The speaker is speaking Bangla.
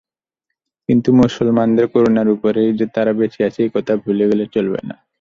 কিন্তু মুসলমানদের করুণার উপরই যে তারা বেঁচে আছে এ কথা ভুলে গেলে চলবে না।